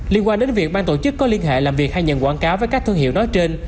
liên quan đến việc bang tổ chức có liên hệ làm việc hay nhận quảng cáo với các thương hiệu nói trên